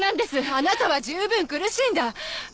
あなたは十分苦しんだ！